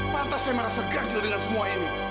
pantas saya merasa ganjil dengan semua ini